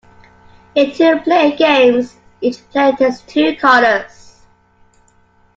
In two-player games, each player takes two colors.